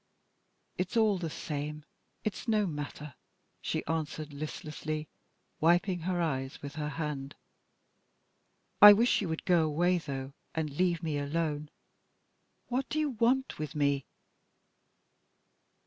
"It's all the same. It's no matter," she answered, listlessly, wiping her eyes with her hand. "I wish you would go away, though, and leave me alone. What do you want with me?"